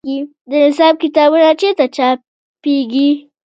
د نصاب کتابونه چیرته چاپیږي؟